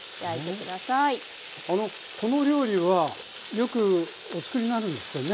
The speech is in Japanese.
この料理はよくお作りになるんですってね。